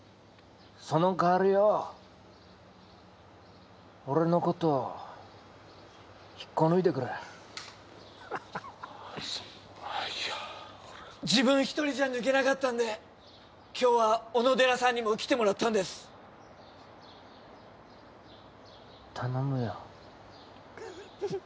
その代わりよ俺のことを引っこ抜いてくれあいや自分一人じゃ抜けなかったんで今日はオノデラさんにも来てもらったんです頼むよ